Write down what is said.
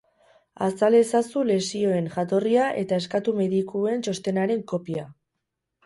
Azal ezazu lesioen jatorria eta eskatu medikuen txostenaren kopia.